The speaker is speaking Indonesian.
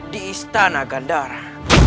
di istana gandara